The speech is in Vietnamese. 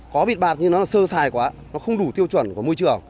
có bịt bạt nhưng nó sơ xài quá nó không đủ tiêu chuẩn của môi trường